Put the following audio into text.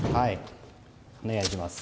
お願いします。